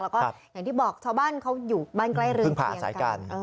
แล้วก็อย่างที่บอกชาวบ้านเขาอยู่บ้านใกล้เรือนเคียงกัน